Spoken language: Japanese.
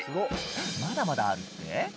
まだまだあるって？